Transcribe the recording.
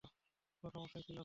কোনো সমস্যাই ছিল না।